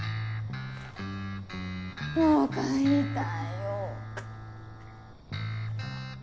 もう帰りたいよ。